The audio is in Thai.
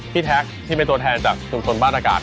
พี่แท็กที่เป็นตัวแทนจากส่วนคนบ้านอากาศ